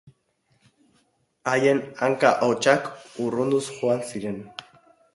Haien hanka-hotsak urrunduz joan ziren.